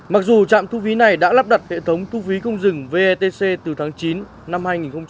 mặc dù trạm thu phí này đã lắp đặt hệ thống thu phí không dừng vetc từ tháng chín năm hai nghìn hai mươi